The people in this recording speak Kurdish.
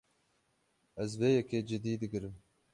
Ez vê yekê cidî digirim.